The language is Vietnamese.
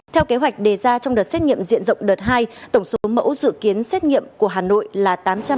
theo kế hoạch đề ra trong đợt xét nghiệm diện rộng đợt hai tổng số mẫu dự kiến xét nghiệm của hà nội là tám trăm năm mươi sáu bốn trăm hai mươi hai